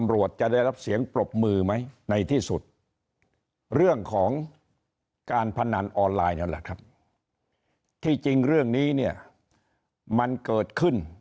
เรื่องของการพนันออนไลน์นั่นแหละครับที่จริงเรื่องนี้เนี่ยมันเกิดขึ้น